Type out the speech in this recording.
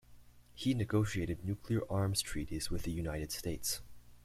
He negotiated nuclear arms treaties with the United States.